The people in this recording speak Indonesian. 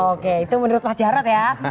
oke itu menurut pak jarad ya